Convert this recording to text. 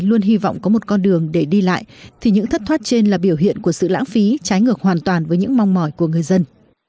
tôi hy vọng có một con đường để đi lại thì những thất thoát trên là biểu hiện của sự lãng phí trái ngược hoàn toàn với những mong mỏi của người dân